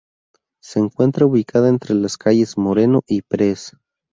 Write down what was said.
Se encuentra ubicada entre las calles "Moreno" y "Pres.